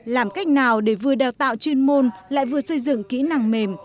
làm cách nào để vừa đào tạo chuyên môn lại vừa xây dựng kỹ năng mềm